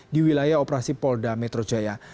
di wilayah operasi polda metro jaya